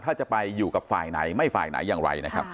ถ้าจะไปอยู่กับฝ่ายไหนไม่ฝ่ายไหนอย่างไรนะครับ